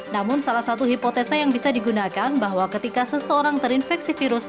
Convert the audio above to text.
namun salah satu hipotesa yang bisa digunakan bahwa ketika seseorang terinfeksi virus